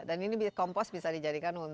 dan ini kompos bisa dijadikan untuk ini